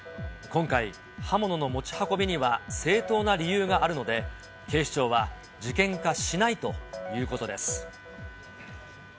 今回、刃物の持ち運びには正当な理由があるので、警視庁は事件化しないということです。